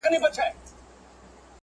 موږ وروره ښه په عزت په ښایسته ننګرهار